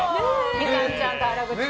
みかんちゃんと原口君。